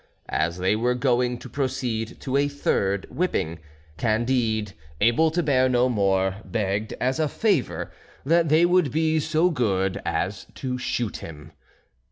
As they were going to proceed to a third whipping, Candide, able to bear no more, begged as a favour that they would be so good as to shoot him.